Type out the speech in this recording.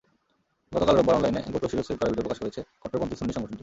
গতকাল রোববার অনলাইনে গোতোর শিরশ্ছেদ করার ভিডিও প্রকাশ করেছে কট্টরপন্থী সুন্নি সংগঠনটি।